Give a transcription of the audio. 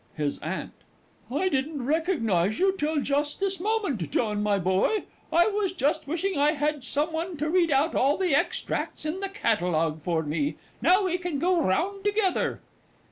_ HIS AUNT. I didn't recognise you till just this moment, John, my boy. I was just wishing I had some one to read out all the extracts in the Catalogue for me; now we can go round together.